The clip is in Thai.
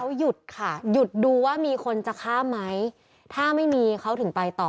เขาหยุดค่ะหยุดดูว่ามีคนจะข้ามไหมถ้าไม่มีเขาถึงไปต่อ